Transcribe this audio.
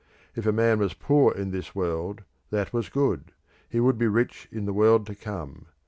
If a man was poor in this world, that was good; he would be rich in the world to come.